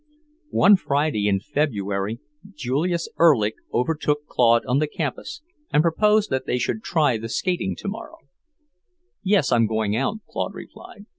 One Friday in February Julius Erlich overtook Claude on the campus and proposed that they should try the skating tomorrow. "Yes, I'm going out," Claude replied.